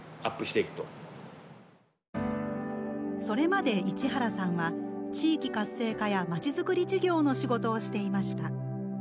それまで市原さんは地域活性化やまちづくり事業の仕事をしていました。